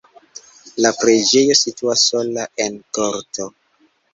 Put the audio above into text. La preĝejo situas sola en korto.